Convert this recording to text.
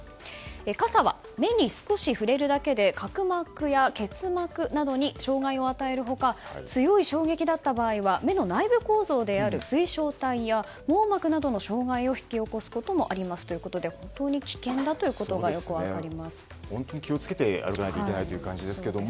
傘は目に少し触れるだけで角膜や結膜などに障害を与える他強い衝撃だった場合は目の内部構造である水晶体や網膜などの障害を引き起こすこともありますということで本当に危険だということが本当に気を付けて歩かないといけないという感じですけど